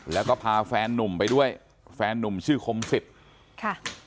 แล้วก็พาแฟนหนุ่มไปด้วยแฟนหนุ่มชื่อคมศิษย์